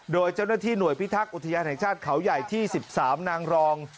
โดยเจ้าหน้าที่หน่วยพิทักษ์อุทยานแห่งชาติเขาใหญ่ที่๑๓นางรอง